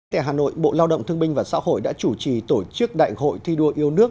tại hà nội bộ lao động thương binh và xã hội đã chủ trì tổ chức đại hội thi đua yêu nước